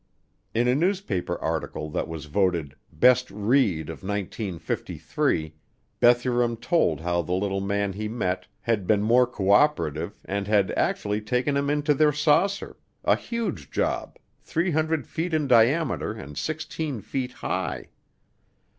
In a newspaper article that was voted "Best Read of 1953," Bethurum told how the little men he met had been more cooperative and had actually taken him into their saucer, a huge job 300 feet in diameter and 16 feet high.